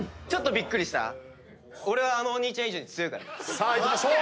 さあいきましょう。